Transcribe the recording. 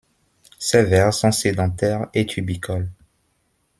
Ces vers sont sédentaires et tubicoles.